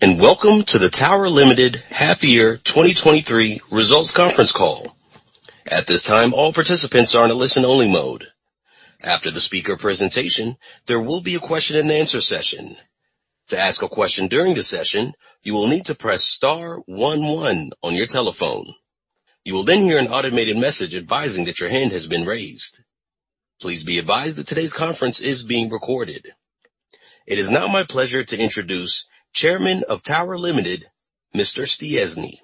Welcome to the Tower Limited Half Year 2023 Results Conference Call. At this time, all participants are in a listen-only mode. After the speaker presentation, there will be a question and answer session. To ask a question during the session, you will need to press star one one on your telephone. You will then hear an automated message advising that your hand has been raised. Please be advised that today's conference is being recorded. It is now my pleasure to introduce Chairman of Tower Limited, Mr. Stiassny.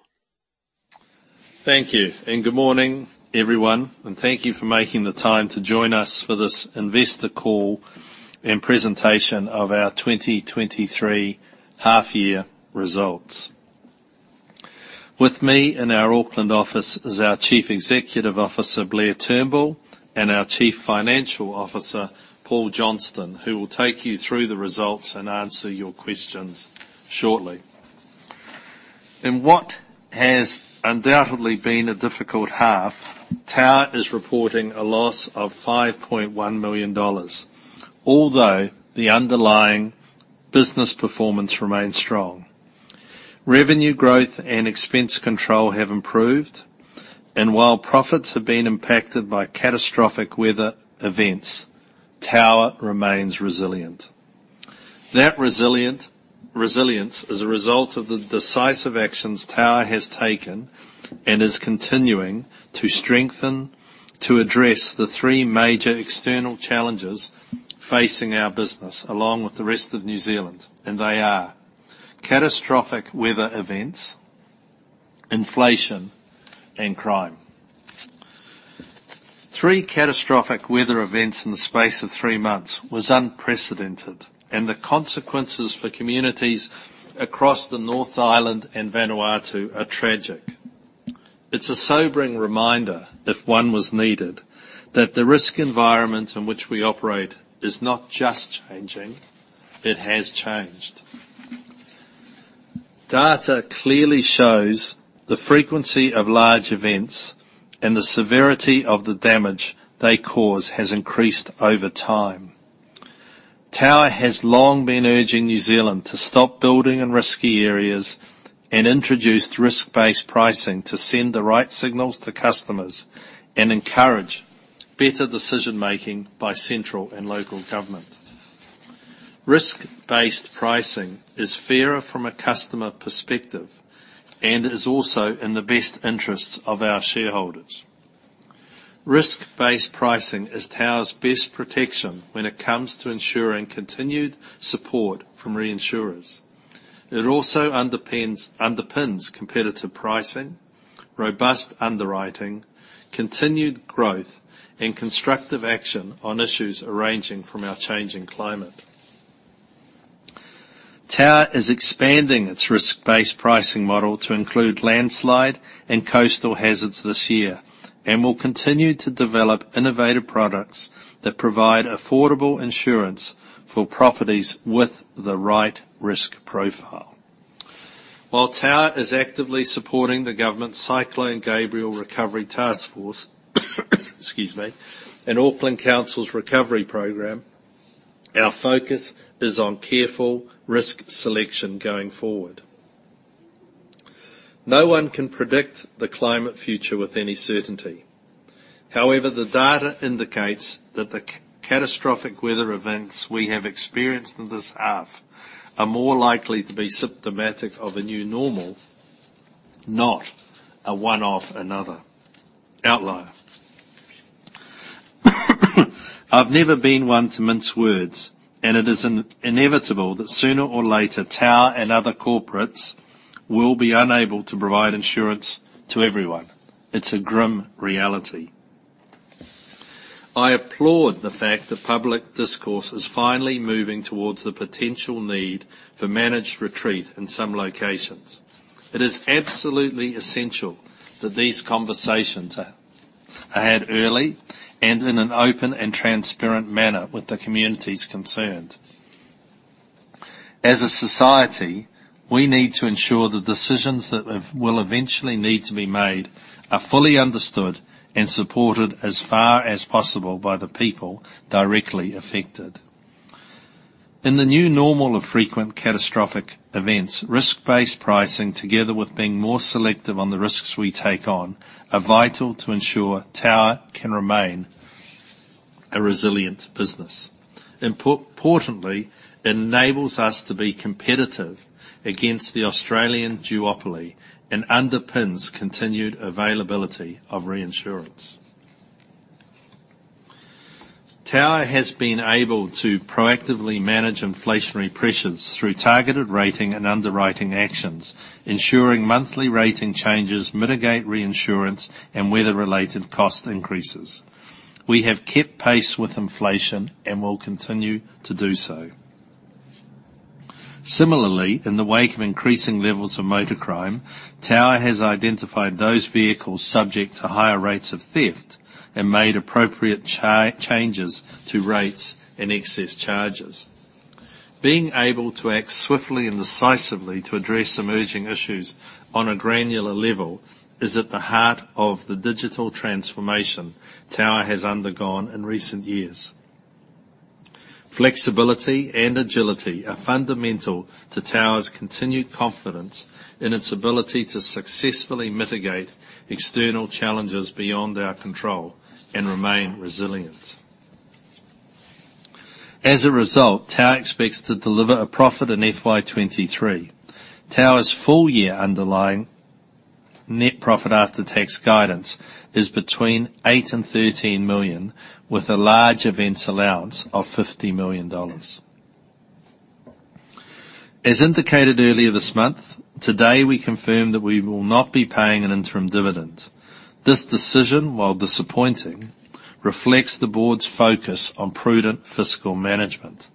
Thank you, good morning, everyone, and thank you for making the time to join us for this investor call and presentation of our 2023 half-year results. With me in our Auckland office is our Chief Executive Officer, Blair Turnbull, and our Chief Financial Officer, Paul Johnston, who will take you through the results and answer your questions shortly. In what has undoubtedly been a difficult half, Tower is reporting a loss of 5.1 million dollars, although the underlying business performance remains strong. Revenue growth and expense control have improved, while profits have been impacted by catastrophic weather events, Tower remains resilient. Resilience is a result of the decisive actions Tower has taken and is continuing to strengthen to address the three major external challenges facing our business along with the rest of New Zealand, and they are catastrophic weather events, inflation, and crime. Three catastrophic weather events in the space of three months was unprecedented, and the consequences for communities across the North Island and Vanuatu are tragic. It's a sobering reminder, if one was needed, that the risk environment in which we operate is not just changing, it has changed. Data clearly shows the frequency of large events and the severity of the damage they cause has increased over time. Tower ha s long been urging New Zealand to stop building in risky areas and introduced risk-based pricing to send the right signals to customers and encourage better decision-making by central and local government. Risk-based pricing is fairer from a customer perspective and is also in the best interest of our shareholders. Risk-based pricing is Tower's best protection when it comes to ensuring continued support from reinsurers. It also underpins competitive pricing, robust underwriting, continued growth, and constructive action on issues ranging from our changing climate. Tower is expanding its risk-based pricing model to include landslide and coastal hazards this year and will continue to develop innovative products that provide affordable insurance for properties with the right risk profile. While Tower is actively supporting the government's Cyclone Gabrielle Recovery Taskforce, excuse me, and Auckland Council's recovery program, our focus is on careful risk selection going forward. No one can predict the climate future with any certainty. However, the data indicates that the catastrophic weather events we have experienced in this half are more likely to be symptomatic of a new normal, not a one-off outlier. I've never been one to mince words, and it is inevitable that sooner or later, Tower and other corporates will be unable to provide insurance to everyone. It's a grim reality. I applaud the fact that public discourse is finally moving towards the potential need for managed retreat in some locations. It is absolutely essential that these conversations are had early and in an open and transparent manner with the communities concerned. As a society, we need to ensure the decisions that will eventually need to be made are fully understood and supported as far as possible by the people directly affected. In the new normal of frequent catastrophic events, risk-based pricing, together with being more selective on the risks we take on, are vital to ensure Tower can remain a resilient business. Importantly, it enables us to be competitive against the Australian duopoly and underpins continued availability of reinsurance. Tower has been able to proactively manage inflationary pressures through targeted rating and underwriting actions, ensuring monthly rating changes mitigate reinsurance and weather-related cost increases. We have kept pace with inflation and will continue to do so. Similarly, in the wake of increasing levels of motor crime, Tower has identified those vehicles subject to higher rates of theft and made appropriate changes to rates and excess charges. Being able to act swiftly and decisively to address emerging issues on a granular level is at the heart of the digital transformation Tower has undergone in recent years. Flexibility and agility are fundamental to Tower's continued confidence in its ability to successfully mitigate external challenges beyond our control and remain resilient. As a result, Tower expects to deliver a profit in FY 2023. Tower's full year underlying net profit after tax guidance is between 8 million and 13 million, with a large events allowance of 50 million dollars. As indicated earlier this month, today, we confirm that we will not be paying an interim dividend. This decision, while disappointing, reflects the board's focus on prudent fiscal management.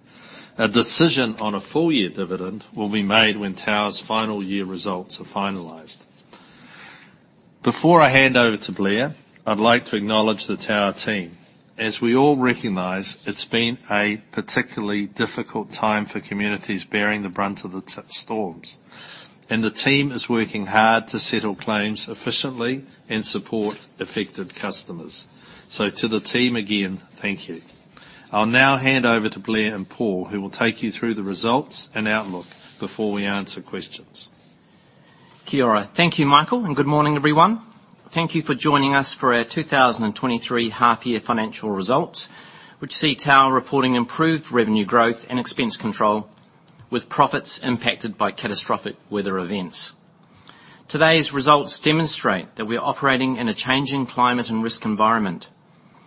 A decision on a full year dividend will be made when Tower's final year results are finalized. Before I hand over to Blair, I'd like to acknowledge the Tower team. As we all recognize, it's been a particularly difficult time for communities bearing the brunt of the t-storms. The team is working hard to settle claims efficiently and support affected customers. To the team, again, thank you. I'll now hand over to Blair and Paul, who will take you through the results and outlook before we answer questions. Kia ora. Thank you, Michael. Good morning, everyone. Thank you for joining us for our 2023 half year financial results, which see Tower reporting improved revenue growth and expense control, with profits impacted by catastrophic weather events. Today's results demonstrate that we're operating in a changing climate and risk environment.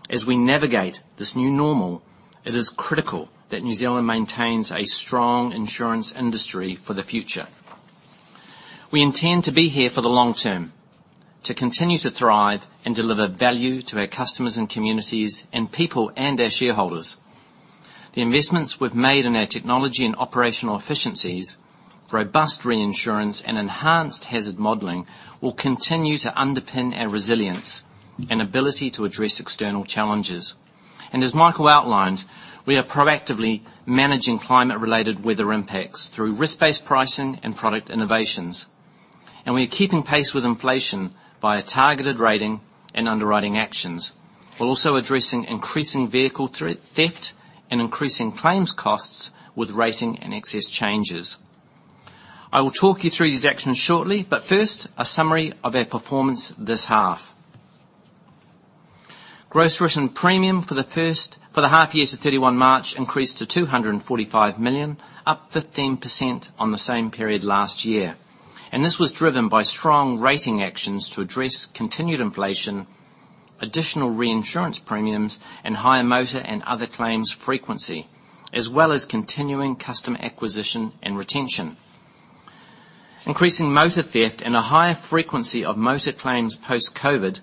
As we navigate this new normal, it is critical that New Zealand maintains a strong insurance industry for the future. We intend to be here for the long term, to continue to thrive and deliver value to our customers and communities and people and our shareholders. The investments we've made in our technology and operational efficiencies, robust reinsurance, and enhanced hazard modeling will continue to underpin our resilience and ability to address external challenges. As Michael outlined, we are proactively managing climate-related weather impacts through risk-based pricing and product innovations. We are keeping pace with inflation by a targeted rating and underwriting actions. We're also addressing increasing vehicle theft and increasing claims costs with rating and excess changes. I will talk you through these actions shortly. First, a summary of our performance this half. Gross written premium for the half years of 31 March increased to 245 million, up 15% on the same period last year. This was driven by strong rating actions to address continued inflation, additional reinsurance premiums, and higher motor and other claims frequency, as well as continuing customer acquisition and retention. Increasing motor theft and a higher frequency of motor claims post-COVID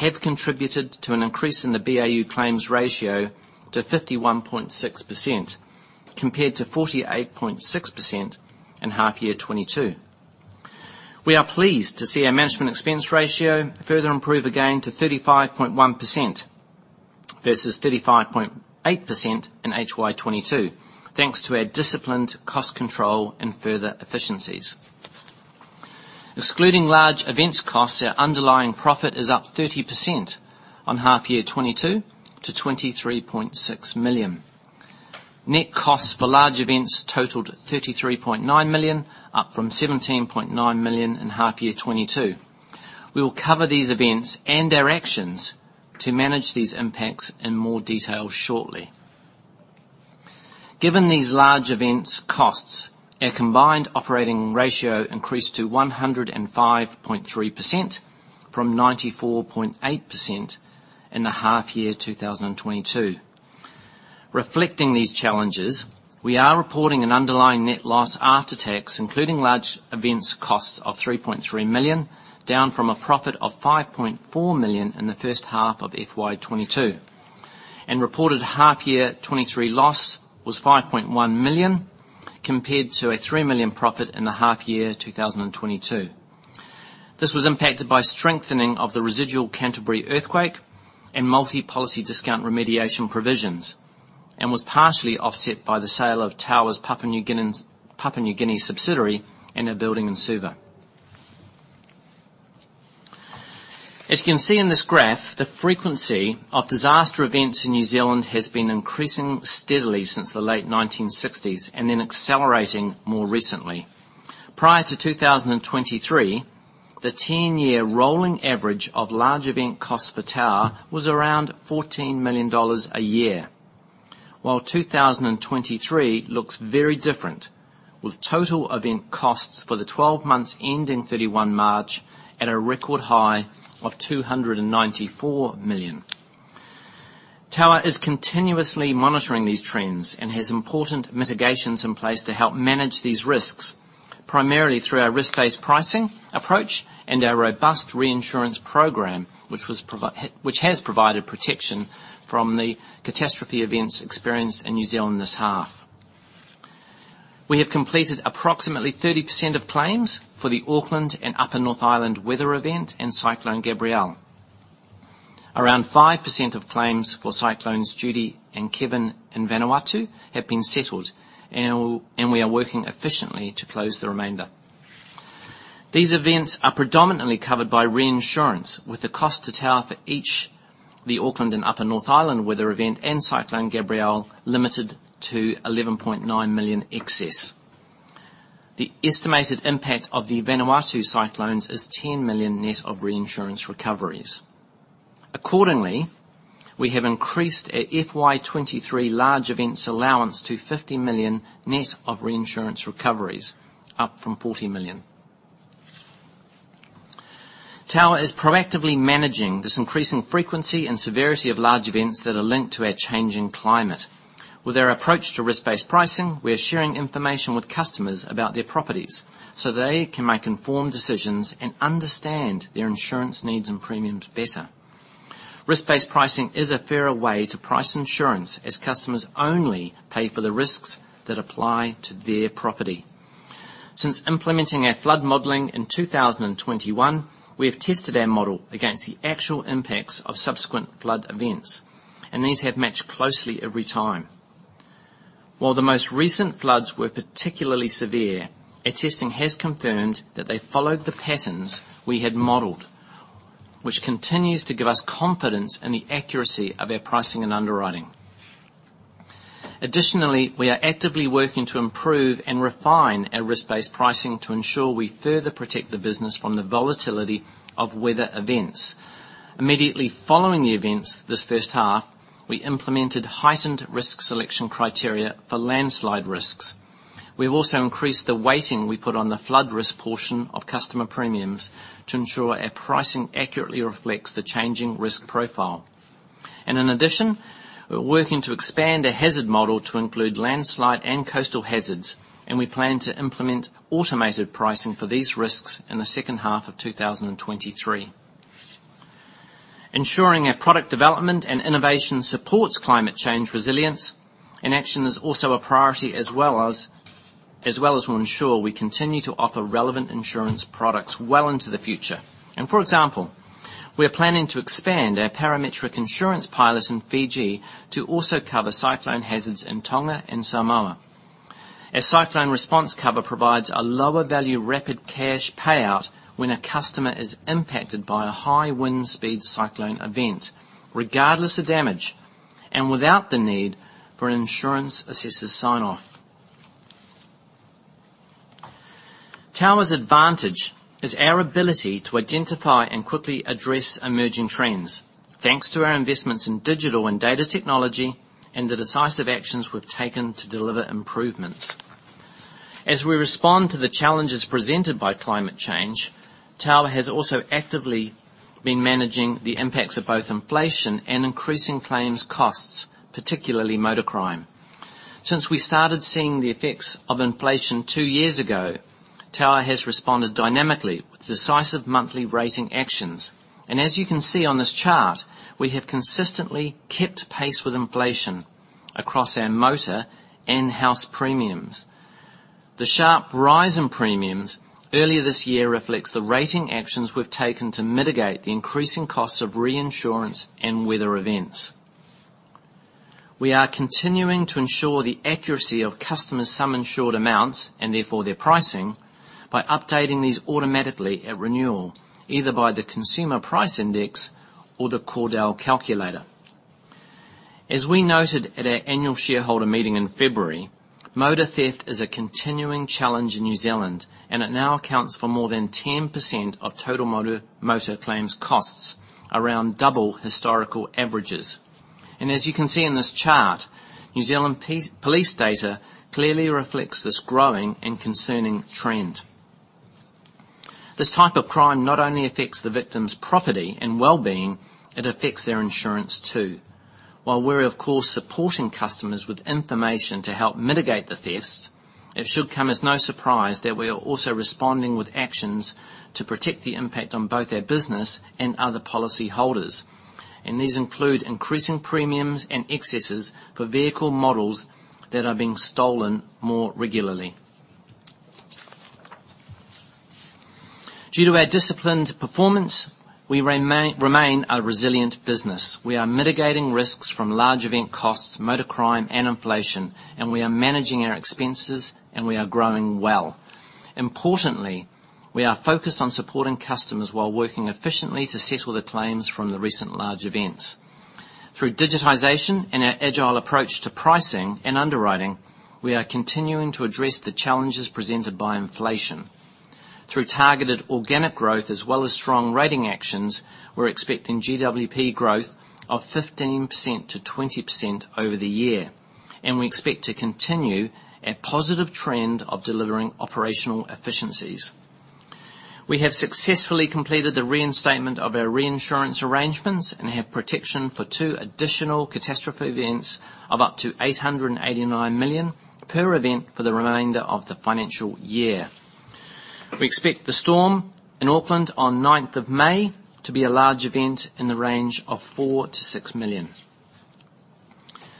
have contributed to an increase in the BAU claims ratio to 51.6%, compared to 48.6% in half year 2022. We are pleased to see our management expense ratio further improve again to 35.1% versus 35.8% in FY22, thanks to our disciplined cost control and further efficiencies. Excluding large events costs, our underlying profit is up 30% on half year 2022 to 23.6 million. Net costs for large events totaled 33.9 million, up from 17.9 million in half year 22. We will cover these events and our actions to manage these impacts in more detail shortly. Given these large events costs, our combined operating ratio increased to 105.3% from 94.8% in the half year 2022.Reflecting these challenges, we are reporting an underlying net loss after tax, including large events costs of 3.3 million, down from a profit of 5.4 million in the first half of FY 2022. Reported half year 2023 loss was 5.1 million, compared to a 3 million profit in the half year 2022. This was impacted by strengthening of the residual Canterbury earthquake and multi-policy discount remediation provisions, and was partially offset by the sale of Tower's Papua New Guinea subsidiary and a building in Suva. As you can see in this graph, the frequency of disaster events in New Zealand has been increasing steadily since the late 1960s and then accelerating more recently. Prior to 2023, the 10-year rolling average of large event costs for Tower was around NZD 14 million a year, while 2023 looks very different, with total event costs for the 12 months ending 31 March at a record high of 294 million. Tower is continuously monitoring these trends and has important mitigations in place to help manage these risks, primarily through our risk-based pricing approach and our robust reinsurance program, which has provided protection from the catastrophe events experienced in New Zealand this half. We have completed approximately 30% of claims for the Auckland and Upper North Island weather event and Cyclone Gabrielle. Around 5% of claims for Cyclones Judy and Kevin in Vanuatu have been settled, we are working efficiently to close the remainder. These events are predominantly covered by reinsurance, with the cost to Tower for each, the Auckland and Upper North Island weather event and Cyclone Gabrielle limited to 11.9 million excess. The estimated impact of the Vanuatu cyclones is 10 million net of reinsurance recoveries. Accordingly, we have increased our FY 2023 large events allowance to 50 million net of reinsurance recoveries, up from 40 million. Tower is proactively managing this increasing frequency and severity of large events that are linked to our changing climate. With our approach to risk-based pricing, we are sharing information with customers about their properties so they can make informed decisions and understand their insurance needs and premiums better. Risk-based pricing is a fairer way to price insurance as customers only pay for the risks that apply to their property. Since implementing our flood modeling in 2021, we have tested our model against the actual impacts of subsequent flood events. These have matched closely every time. While the most recent floods were particularly severe, our testing has confirmed that they followed the patterns we had modeled, which continues to give us confidence in the accuracy of our pricing and underwriting. We are actively working to improve and refine our risk-based pricing to ensure we further protect the business from the volatility of weather events. Immediately following the events this first half, we implemented heightened risk selection criteria for landslide risks. We have also increased the weighting we put on the flood risk portion of customer premiums to ensure our pricing accurately reflects the changing risk profile. In addition, we're working to expand a hazard model to include landslide and coastal hazards, and we plan to implement automated pricing for these risks in the second half of 2023. Ensuring our product development and innovation supports climate change resilience in action is also a priority, as well as we'll ensure we continue to offer relevant insurance products well into the future. For example, we are planning to expand our parametric insurance pilots in Fiji to also cover cyclone hazards in Tonga and Samoa. Our Cyclone Response Cover provides a lower value, rapid cash payout when a customer is impacted by a high wind speed cyclone event, regardless of damage and without the need for an insurance assessor's sign-off. Tower's advantage is our ability to identify and quickly address emerging trends thanks to our investments in digital and data technology and the decisive actions we've taken to deliver improvements. As we respond to the challenges presented by climate change, Tower has also actively been managing the impacts of both inflation and increasing claims costs, particularly motor crime. Since we started seeing the effects of inflation two years ago, Tower has responded dynamically with decisive monthly rating actions. As you can see on this chart, we have consistently kept pace with inflation across our motor and house premiums. The sharp rise in premiums earlier this year reflects the rating actions we've taken to mitigate the increasing costs of reinsurance and weather events. We are continuing to ensure the accuracy of customers' sum insured amounts, and therefore their pricing, by updating these automatically at renewal, either by the Consumer Price Index or the Cordell calculator. As we noted at our annual shareholder meeting in February, motor theft is a continuing challenge in New Zealand, and it now accounts for more than 10% of total motor claims costs, around double historical averages. As you can see in this chart, New Zealand Police data clearly reflects this growing and concerning trend. This type of crime not only affects the victim's property and wellbeing, it affects their insurance too. While we're of course, supporting customers with information to help mitigate the theft, it should come as no surprise that we are also responding with actions to protect the impact on both our business and other policyholders. These include increasing premiums and excesses for vehicle models that are being stolen more regularly. Due to our disciplined performance, we remain a resilient business. We are mitigating risks from large event costs, motor crime and inflation. We are managing our expenses and we are growing well. Importantly, we are focused on supporting customers while working efficiently to settle the claims from the recent large events. Through digitization and our agile approach to pricing and underwriting, we are continuing to address the challenges presented by inflation. Through targeted organic growth as well as strong rating actions, we're expecting GWP growth of 15%-20% over the year, and we expect to continue a positive trend of delivering operational efficiencies. We have successfully completed the reinstatement of our reinsurance arrangements and have protection for two additional catastrophe events of up to 889 million per event for the remainder of the financial year. We expect the storm in Auckland on ninth of May to be a large event in the range of 4 million-6 million.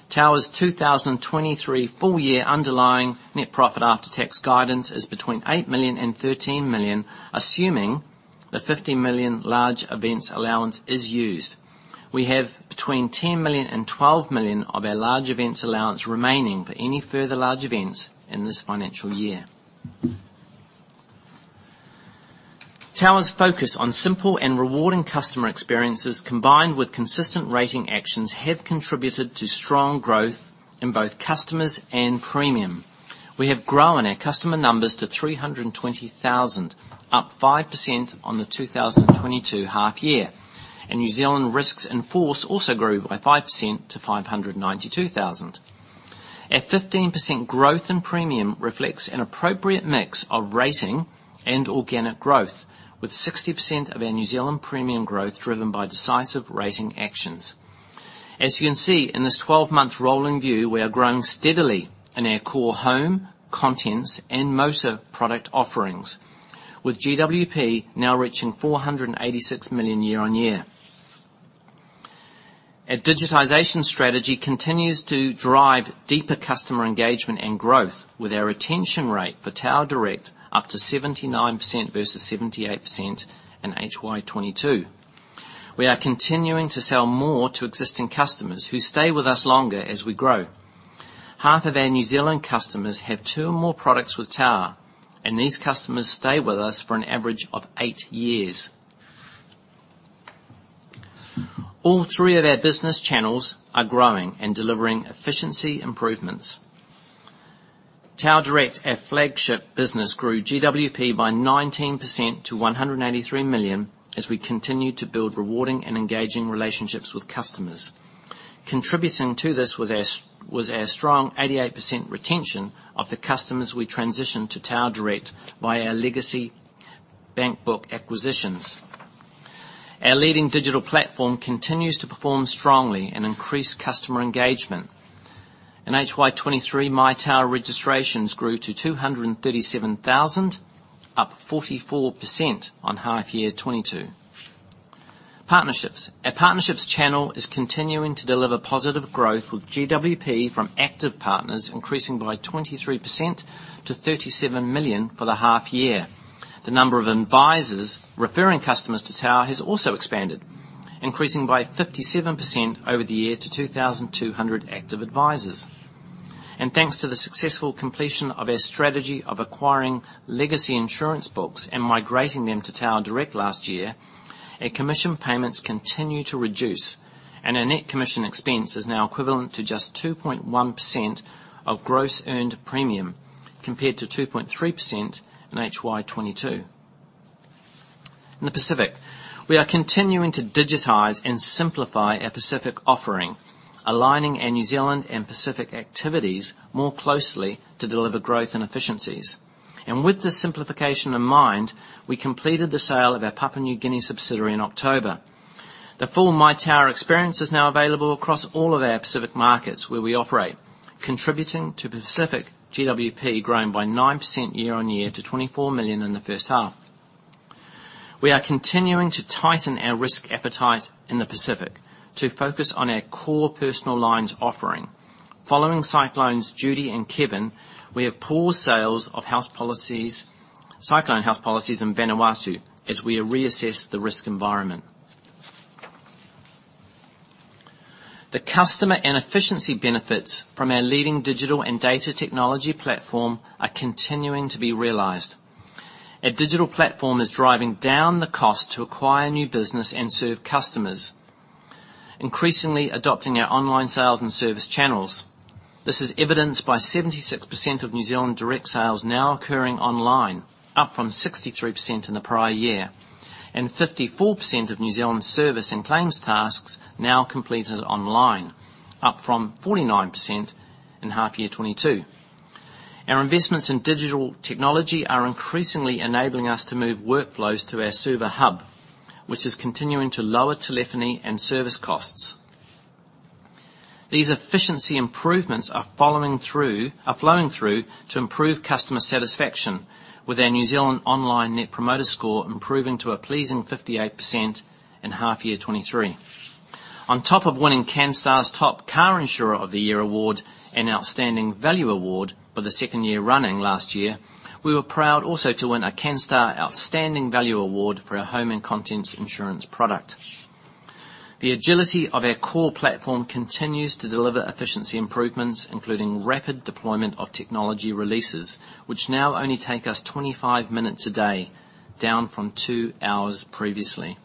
Tower's 2023 full year underlying net profit after tax guidance is between 8 million and 13 million, assuming the 50 million large events allowance is used. We have between 10 million and 12 million of our large events allowance remaining for any further large events in this financial year. Tower's focus on simple and rewarding customer experiences, combined with consistent rating actions, have contributed to strong growth in both customers and premium. We have grown our customer numbers to 320,000, up 5% on the 2022 half year. New Zealand risks in force also grew by 5% to 592,000. A 15% growth in premium reflects an appropriate mix of rating and organic growth, with 60% of our New Zealand premium growth driven by decisive rating actions. As you can see in this 12-month rolling view, we are growing steadily in our core home, contents, and motor product offerings, with GWP now reaching 486 million year-over-year. Our digitization strategy continues to drive deeper customer engagement and growth with our retention rate for Tower Direct up to 79% versus 78% in FY 2022. We are continuing to sell more to existing customers who stay with us longer as we grow. Half of our New Zealand customers have two or more products with Tower, and these customers stay with us for an average of eight years. All three of our business channels are growing and delivering efficiency improvements. Tower Direct, our flagship business, grew GWP by 19% to 183 million as we continue to build rewarding and engaging relationships with customers. Contributing to this was our strong 88% retention of the customers we transitioned to Tower Direct by our legacy bank book acquisitions. Our leading digital platform continues to perform strongly and increase customer engagement. In FY 2023, My Tower registrations grew to 237,000, up 44% on half year 2022. Partnerships. Our partnerships channel is continuing to deliver positive growth with GWP from active partners increasing by 23% to 37 million for the half year. The number of advisors referring customers to Tower has also expanded, increasing by 57% over the year to 2,200 active advisors. Thanks to the successful completion of our strategy of acquiring legacy insurance books and migrating them to Tower Direct last year, our commission payments continue to reduce, and our net commission expense is now equivalent to just 2.1% of gross earned premium, compared to 2.3% in FY 2022. In the Pacific. We are continuing to digitize and simplify our Pacific offering, aligning our New Zealand and Pacific activities more closely to deliver growth and efficiencies. With this simplification in mind, we completed the sale of our Papua New Guinea subsidiary in October. The full My Tower experience is now available across all of our Pacific markets where we operate, contributing to Pacific GWP growing by 9% year-on-year to 24 million in the first half. We are continuing to tighten our risk appetite in the Pacific to focus on our core personal lines offering. Following Cyclones Judy and Kevin, we have paused sales of cyclone house policies in Vanuatu as we reassess the risk environment. The customer and efficiency benefits from our leading digital and data technology platform are continuing to be realized. Our digital platform is driving down the cost to acquire new business and serve customers, increasingly adopting our online sales and service channels. This is evidenced by 76% of New Zealand direct sales now occurring online, up from 63% in the prior year, and 54% of New Zealand service and claims tasks now completed online, up from 49% in half year 2022. Our investments in digital technology are increasingly enabling us to move workflows to our Suva hub, which is continuing to lower telephony and service costs. These efficiency improvements are flowing through to improve customer satisfaction with our New Zealand online Net Promoter Score improving to a pleasing 58% in half year 2023. On top of winning Canstar's top car insurer of the year award and outstanding value award for the second year running last year, we were proud also to win a Canstar outstanding value award for our home and contents insurance product. The agility of our core platform continues to deliver efficiency improvements, including rapid deployment of technology releases, which now only take us 25 minutes a day, down from two hours previously.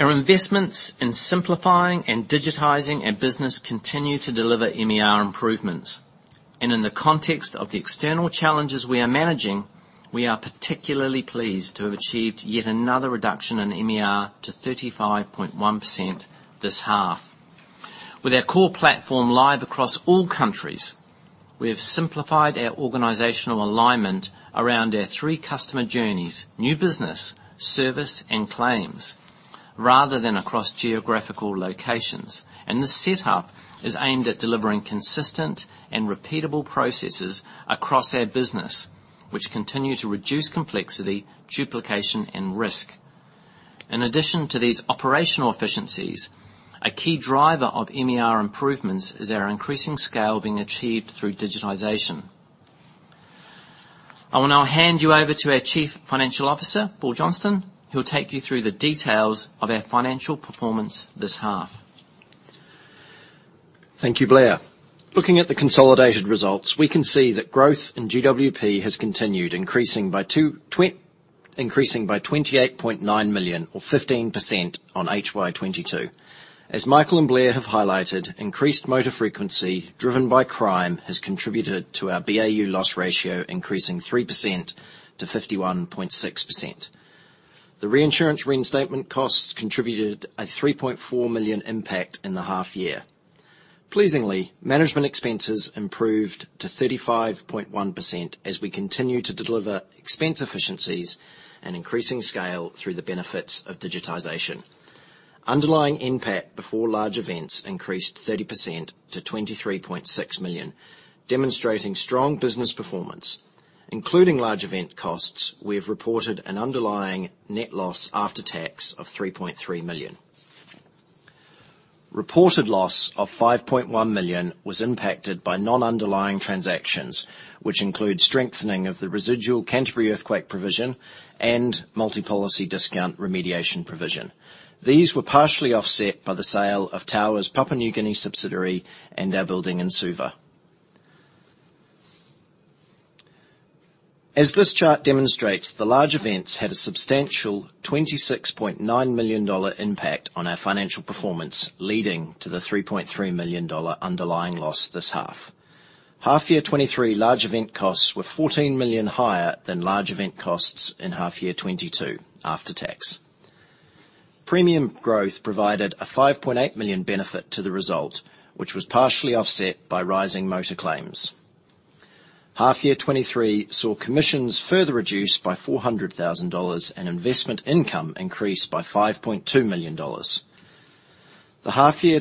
Our investments in simplifying and digitizing our business continue to deliver MER improvements. In the context of the external challenges we are managing, we are particularly pleased to have achieved yet another reduction in MER to 35.1% this half. With our core platform live across all countries, we have simplified our organizational alignment around our three customer journeys, new business, service, and claims, rather than across geographical locations. This setup is aimed at delivering consistent and repeatable processes across our business, which continue to reduce complexity, duplication, and risk. In addition to these operational efficiencies, a key driver of MER improvements is our increasing scale being achieved through digitization. I will now hand you over to our Chief Financial Officer, Paul Johnston, who will take you through the details of our financial performance this half. Thank you, Blair. Looking at the consolidated results, we can see that growth in GWP has continued increasing by 28.9 million or 15% on HY 2022. As Michael and Blair have highlighted, increased motor frequency driven by crime has contributed to our BAU loss ratio increasing 3% to 51.6%. The reinsurance reinstatement costs contributed a 3.4 million impact in the half year. Pleasingly, management expenses improved to 35.1% as we continue to deliver expense efficiencies and increasing scale through the benefits of digitization. Underlying NPAT before large events increased 30% to 23.6 million, demonstrating strong business performance. Including large event costs, we have reported an underlying net loss after tax of 3.3 million. Reported loss of 5.1 million was impacted by non-underlying transactions, which include strengthening of the residual Canterbury earthquake provision and multi-policy discount remediation provision. These were partially offset by the sale of Tower's Papua New Guinea subsidiary and our building in Suva. As this chart demonstrates, the large events had a substantial 26.9 million dollar impact on our financial performance, leading to the 3.3 million dollar underlying loss this half. Half year 23 large event costs were 14 million higher than large event costs in half year 22 after tax. Premium growth provided a 5.8 million benefit to the result, which was partially offset by rising motor claims. Half year 23 saw commissions further reduced by 400,000 dollars and investment income increased by 5.2 million dollars. The half year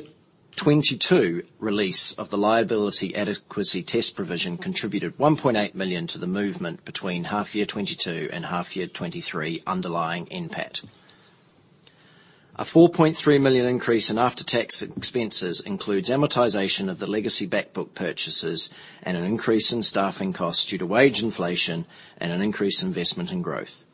2022 release of the liability adequacy test provision contributed 1.8 million to the movement between half year 2022 and half year 2023 underlying NPAT. A 4.3 million increase in after-tax expenses includes amortization of the legacy back book purchases and an increase in staffing costs due to wage inflation and an increased investment in growth.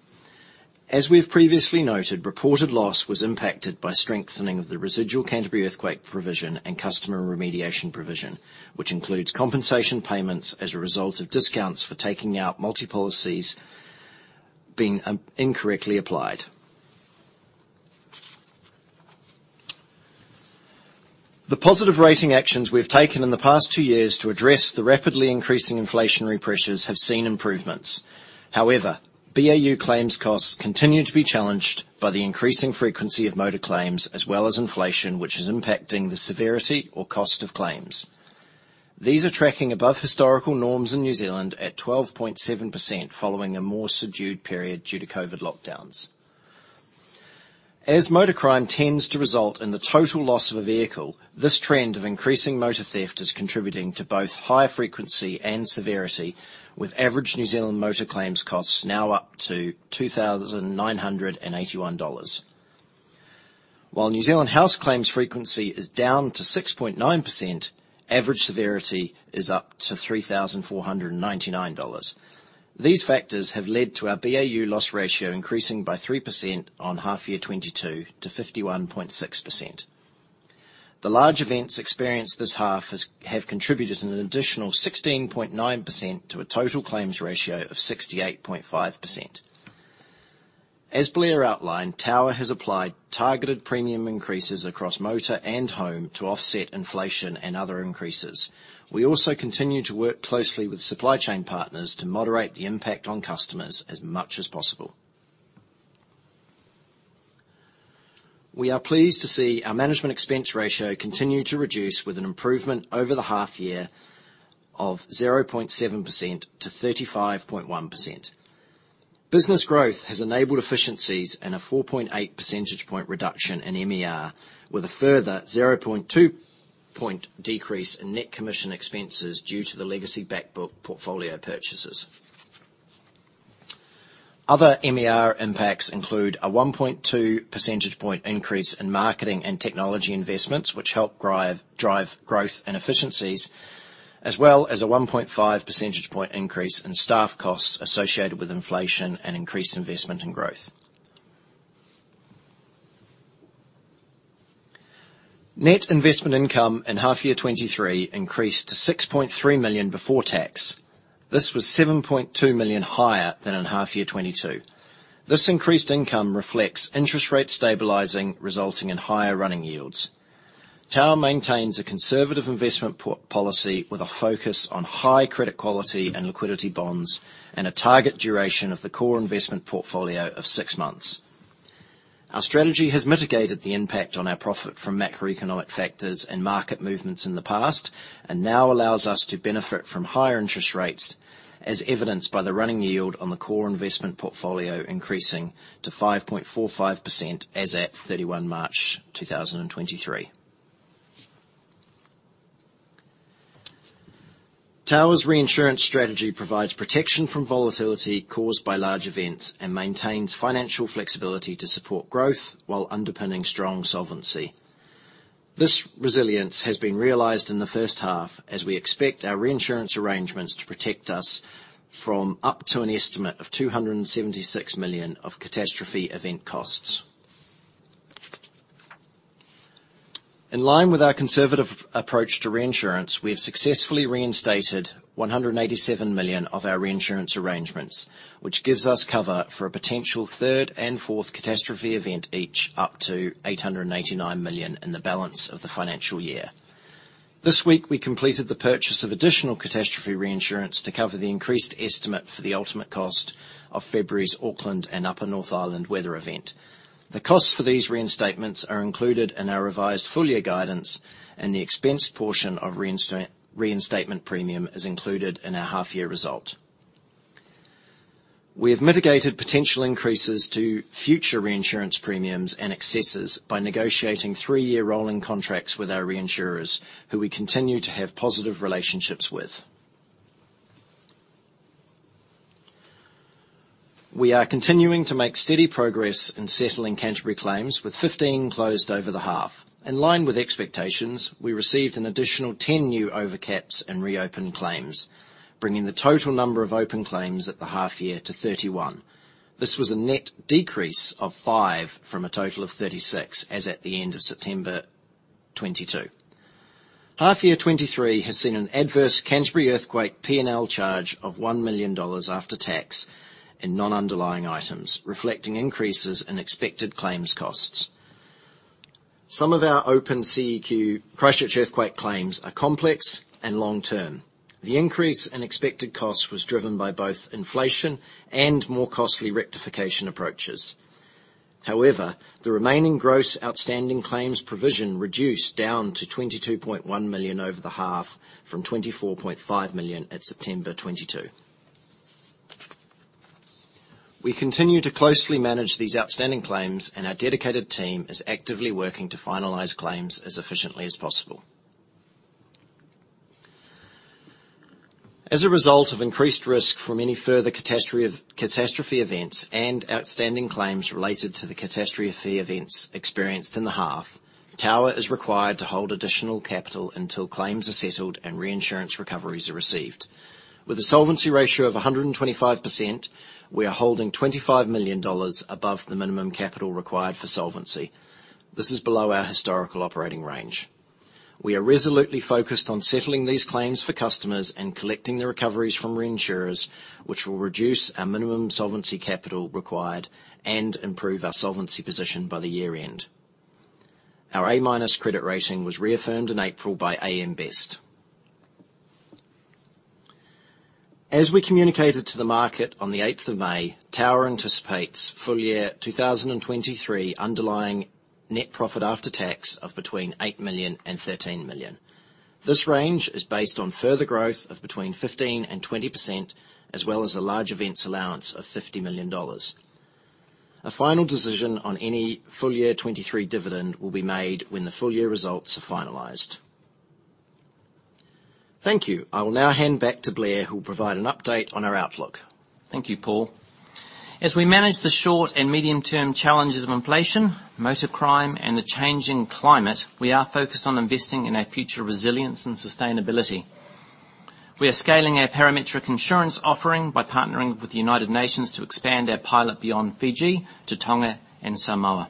As we've previously noted, reported loss was impacted by strengthening of the residual Canterbury earthquake provision and customer remediation provision, which includes compensation payments as a result of discounts for taking out multi-policies being incorrectly applied. The positive rating actions we've taken in the past 2 years to address the rapidly increasing inflationary pressures have seen improvements. However, BAU claims costs continue to be challenged by the increasing frequency of motor claims, as well as inflation, which is impacting the severity or cost of claims. These are tracking above historical norms in New Zealand at 12.7%, following a more subdued period due to COVID lockdowns. Motor crime tends to result in the total loss of a vehicle, this trend of increasing motor theft is contributing to both higher frequency and severity with average New Zealand motor claims costs now up to 2,981 dollars. New Zealand house claims frequency is down to 6.9%, average severity is up to 3,499 dollars. These factors have led to our BAU loss ratio increasing by 3% on half year 2022 to 51.6%. The large events experienced this half have contributed an additional 16.9% to a total claims ratio of 68.5%. As Blair outlined, Tower has applied targeted premium increases across motor and home to offset inflation and other increases. We also continue to work closely with supply chain partners to moderate the impact on customers as much as possible. We are pleased to see our management expense ratio continue to reduce with an improvement over the half year of 0.7% to 35.1%. Business growth has enabled efficiencies and a 4.8 percentage point reduction in MER, with a further 0.2 point decrease in net commission expenses due to the legacy back book portfolio purchases. Other MER impacts include a 1.2 percentage point increase in marketing and technology investments, which help drive growth and efficiencies, as well as a 1.5 percentage point increase in staff costs associated with inflation and increased investment in growth. Net investment income in half year 2023 increased to 6.3 million before tax. This was 7.2 million higher than in half year 2022. This increased income reflects interest rates stabilizing, resulting in higher running yields. Tower maintains a conservative investment policy with a focus on high credit quality and liquidity bonds and a target duration of the core investment portfolio of six months. Our strategy has mitigated the impact on our profit from macroeconomic factors and market movements in the past and now allows us to benefit from higher interest rates as evidenced by the running yield on the core investment portfolio increasing to 5.45% as at 31 March 2023. Tower's reinsurance strategy provides protection from volatility caused by large events and maintains financial flexibility to support growth while underpinning strong solvency. This resilience has been realized in the first half as we expect our reinsurance arrangements to protect us from up to an estimate of 276 million of catastrophe event costs. In line with our conservative approach to reinsurance, we have successfully reinstated 187 million of our reinsurance arrangements, which gives us cover for a potential third and fourth catastrophe event, each up to 889 million in the balance of the financial year. This week, we completed the purchase of additional catastrophe reinsurance to cover the increased estimate for the ultimate cost of February's Auckland and Upper North Island weather event. The cost for these reinstatements are included in our revised full year guidance, and the expense portion of reinstatement premium is included in our half year result. We have mitigated potential increases to future reinsurance premiums and excesses by negotiating three-year rolling contracts with our reinsurers, who we continue to have positive relationships with. We are continuing to make steady progress in settling Canterbury claims, with 15 closed over the half. In line with expectations, we received an additional 10 new overcaps and reopened claims, bringing the total number of open claims at the half year to 31. This was a net decrease of 5 from a total of 36 as at the end of September 2022. Half year 2023 has seen an adverse Canterbury earthquake P&L charge of 1 million dollars after tax in non-underlying items, reflecting increases in expected claims costs. Some of our open CEQ, Christchurch earthquake claims are complex and long-term. The increase in expected cost was driven by both inflation and more costly rectification approaches. The remaining gross outstanding claims provision reduced down to 22.1 million over the half from 24.5 million at September 2022. We continue to closely manage these outstanding claims, and our dedicated team is actively working to finalize claims as efficiently as possible. As a result of increased risk from any further catastrophe events and outstanding claims related to the catastrophe events experienced in the half, Tower is required to hold additional capital until claims are settled and reinsurance recoveries are received. With a solvency ratio of 125%, we are holding 25 million dollars above the minimum capital required for solvency. This is below our historical operating range. We are resolutely focused on settling these claims for customers and collecting the recoveries from reinsurers, which will reduce our minimum solvency capital required and improve our solvency position by the year-end. Our A- credit rating was reaffirmed in April by AM Best. As we communicated to the market on the 8 May, Tower anticipates full year 2023 underlying net profit after tax of between 8 million and 13 million. This range is based on further growth of between 15% and 20%, as well as a large events allowance of 50 million dollars. A final decision on any full year 2023 dividend will be made when the full year results are finalized. Thank you. I will now hand back to Blair, who will provide an update on our outlook. Thank you, Paul. As we manage the short and medium-term challenges of inflation, motor crime, and the changing climate, we are focused on investing in our future resilience and sustainability. We are scaling our parametric insurance offering by partnering with the United Nations to expand our pilot beyond Fiji to Tonga and Samoa.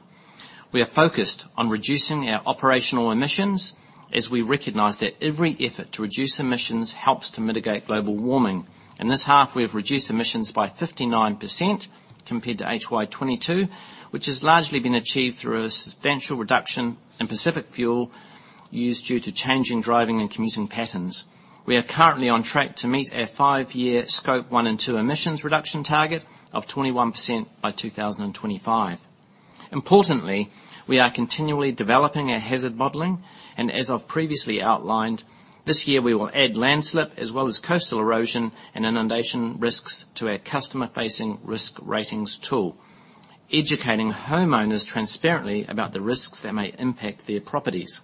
We are focused on reducing our operational emissions as we recognize that every effort to reduce emissions helps to mitigate global warming. In this half, we have reduced emissions by 59% compared to FY 2022, which has largely been achieved through a substantial reduction in Pacific fuel used due to changing driving and commuting patterns. We are currently on track to meet our five-year Scope 1 and 2 emissions reduction target of 21% by 2025. Importantly, we are continually developing our hazard modeling, and as I've previously outlined, this year, we will add landslide as well as coastal erosion and inundation risks to our customer-facing risk ratings tool, educating homeowners transparently about the risks that may impact their properties.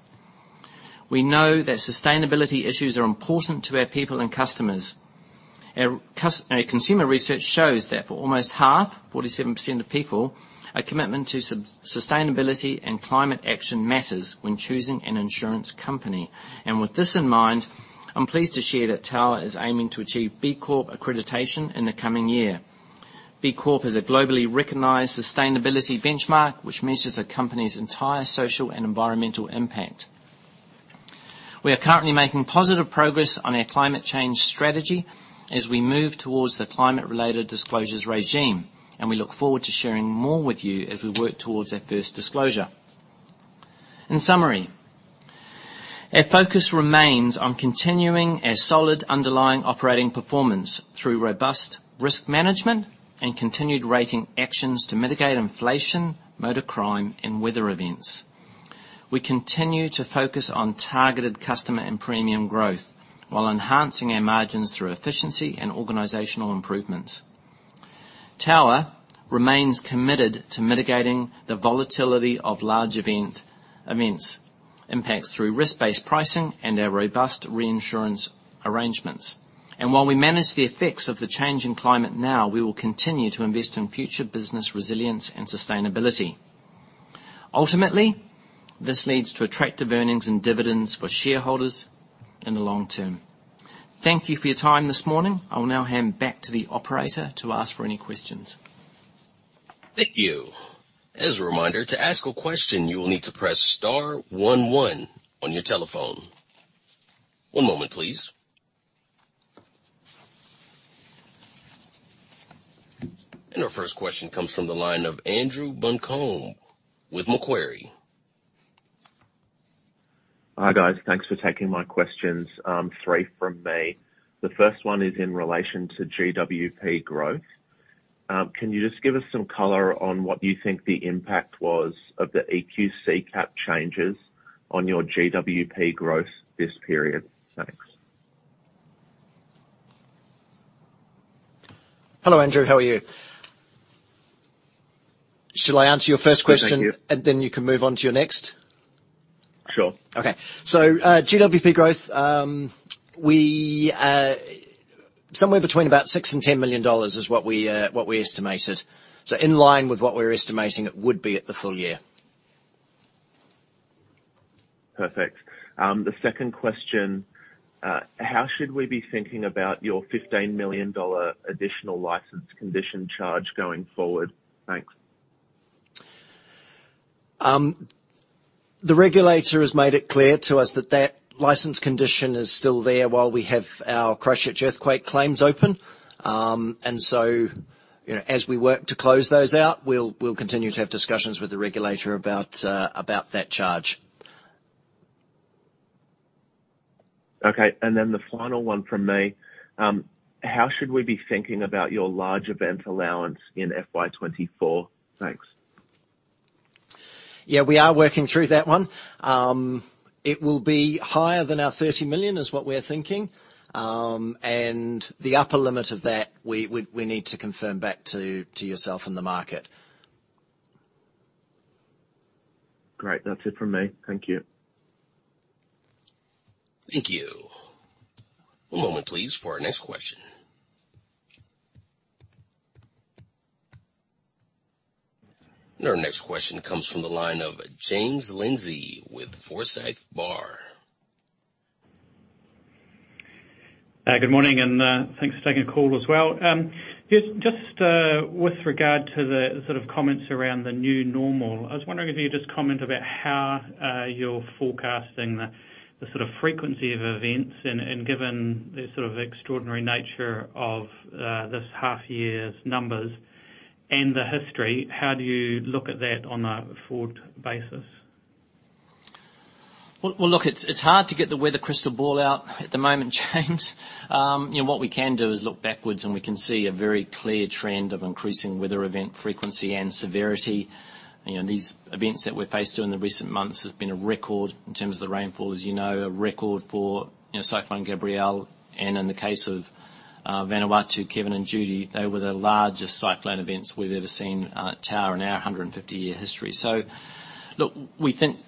We know that sustainability issues are important to our people and customers. Our consumer research shows that for almost half, 47% of people, a commitment to sustainability and climate action matters when choosing an insurance company. With this in mind, I'm pleased to share that Tower is aiming to achieve B Corp accreditation in the coming year. B Corp is a globally recognized sustainability benchmark which measures a company's entire social and environmental impact. We are currently making positive progress on our climate change strategy as we move towards the climate-related disclosures regime. We look forward to sharing more with you as we work towards our first disclosure. In summary, our focus remains on continuing our solid underlying operating performance through robust risk management and continued rating actions to mitigate inflation, motor crime, and weather events. We continue to focus on targeted customer and premium growth while enhancing our margins through efficiency and organizational improvements. Tower remains committed to mitigating the volatility of large event impacts through risk-based pricing and our robust reinsurance arrangements. While we manage the effects of the change in climate now, we will continue to invest in future business resilience and sustainability. Ultimately, this leads to attractive earnings and dividends for shareholders in the long term. Thank you for your time this morning. I will now hand back to the operator to ask for any questions. Thank you. As a reminder, to ask a question, you will need to press star one one on your telephone. One moment, please. Our first question comes from the line of Andrew Buncombe with Macquarie. Hi, guys. Thanks for taking my questions. three from me. The first one is in relation to GWP growth. Can you just give us some color on what you think the impact was of the EQC cap changes on your GWP growth this period? Thanks. Hello, Andrew. How are you? Shall I answer your first question. Yes, thank you. And then you can move on to your next? Sure. Okay. GWP growth, we somewhere between about 6 million and 10 million dollars is what we what we estimated, so in line with what we're estimating it would be at the full year. Perfect. The second question, how should we be thinking about your 15 million dollar additional license condition charge going forward? Thanks. The regulator has made it clear to us that that license condition is still there while we have our Christchurch Earthquake claims open. You know, as we work to close those out, we'll continue to have discussions with the regulator about that charge. Okay. Then the final one from me, how should we be thinking about your large event allowance in FY 2024? Thanks. Yeah, we are working through that one. It will be higher than our 30 million is what we're thinking. The upper limit of that, we need to confirm back to yourself and the market. Great. That's it from me. Thank you. Thank you. One moment, please, for our next question. Our next question comes from the line of James Lindsay with Forsyth Barr. Good morning, thanks for taking the call as well. Just with regard to the sort of comments around the new normal, I was wondering if you just comment about how you're forecasting the sort of frequency of events, given the sort of extraordinary nature of this half year's numbers and the history, how do you look at that on a forward basis? Well look, it's hard to get the weather crystal ball out at the moment, James. You know, what we can do is look backwards, we can see a very clear trend of increasing weather event frequency and severity. You know, these events that we're faced with in the recent months has been a record in terms of the rainfall, as you know, a record for, you know, Cyclone Gabrielle. In the case of Vanuatu, Kevin and Judy, they were the largest cyclone events we've ever seen, Tower in our 150-year history. Look, we think,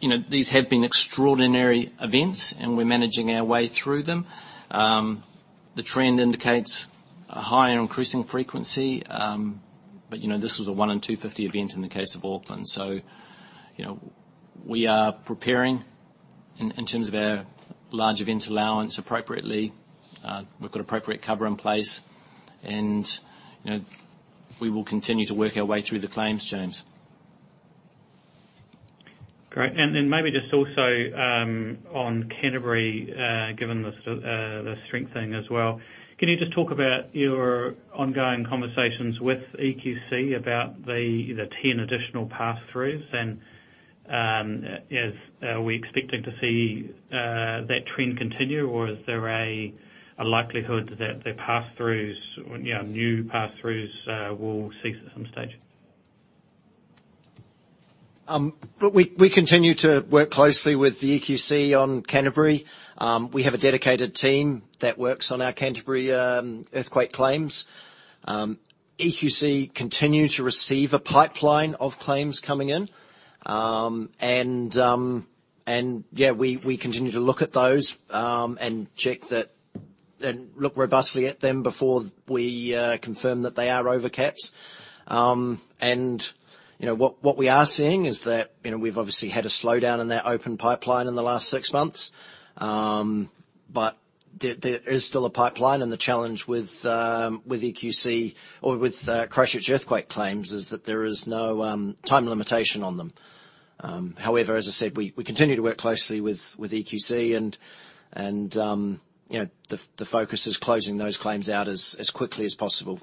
you know, these have been extraordinary events, we're managing our way through them. The trend indicates a higher increasing frequency, you know, this was a one in 250 event in the case of Auckland. You know, we are preparing in terms of our large events allowance appropriately. We've got appropriate cover in place, and, you know, we will continue to work our way through the claims, James. Great. Maybe just also, on Canterbury, given the strengthening as well, can you just talk about your ongoing conversations with EQC about the 10 additional pass-throughs? Are we expecting to see that trend continue, or is there a likelihood that the pass-throughs or, you know, new pass-throughs will cease at some stage? Look, we continue to work closely with the EQC on Canterbury. We have a dedicated team that works on our Canterbury earthquake claims. EQC continue to receive a pipeline of claims coming in. We continue to look at those and check that and look robustly at them before we confirm that they are over caps. You know, what we are seeing is that, you know, we've obviously had a slowdown in that open pipeline in the last six months. There is still a pipeline and the challenge with EQC or with Christchurch Earthquake claims is that there is no time limitation on them. However, as I said, we continue to work closely with EQC and, you know, the focus is closing those claims out as quickly as possible.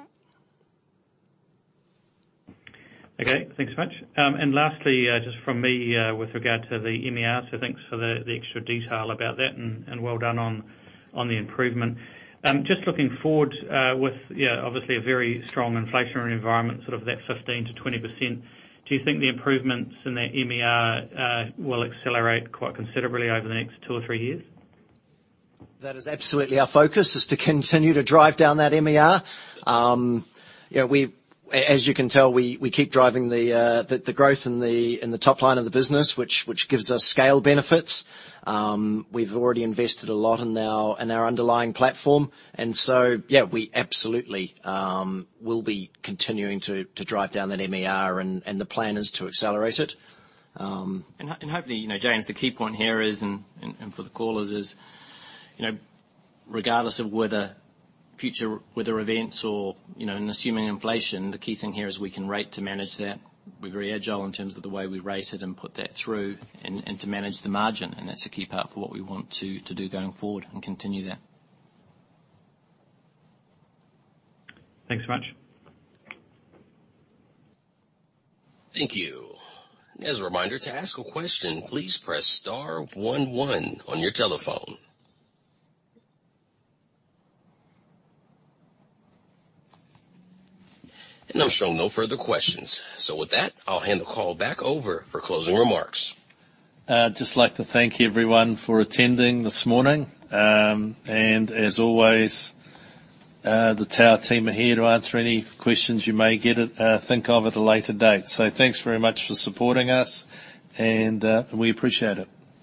Okay. Thanks so much. Lastly, just from me, with regard to the MERs, thanks for the extra detail about that and well done on the improvement. Looking forward, with, you know, obviously a very strong inflationary environment, sort of that 15%-20%, do you think the improvements in the MER will accelerate quite considerably over the next two or three years? That is absolutely our focus, is to continue to drive down that MER. you know, as you can tell, we keep driving the growth in the top line of the business, which gives us scale benefits. We've already invested a lot in our underlying platform, yeah, we absolutely will be continuing to drive down that MER and the plan is to accelerate it. Hopefully, you know, James, the key point here is and for the callers is, you know, regardless of whether future weather events or, you know, and assuming inflation, the key thing here is we can rate to manage that. We're very agile in terms of the way we rate it and put that through and to manage the margin, that's the key part for what we want to do going forward and continue that. Thanks very much. Thank you. As a reminder, to ask a question, please press star one one on your telephone. I'm showing no further questions. With that, I'll hand the call back over for closing remarks. I'd just like to thank everyone for attending this morning. As always, the Tower team are here to answer any questions you may get at, think of at a later date. Thanks very much for supporting us, we appreciate it.